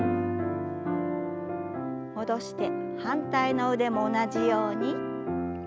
戻して反対の腕も同じように。